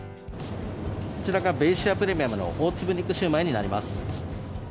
こちらがベイシアプレミアムの大粒肉焼売になります。